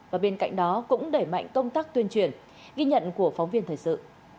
và bên cạnh đó cũng đẩy mạnh công tác tuyên truyền ghi nhận của phóng viên thời sự